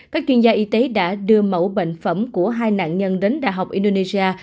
các chuyên gia y tế đã đưa mẫu bệnh phẩm của hai nạn nhân đến đh indonesia